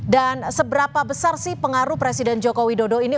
dan seberapa besar sih pengaruh presiden joko widodo ini